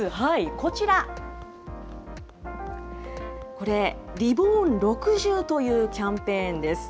こちら、これ、Ｒｅｂｏｒｎ６０というキャンペーンです。